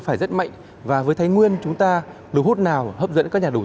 phải rất mạnh và với thái nguyên chúng ta đối hút nào hấp dẫn các nhà đầu tư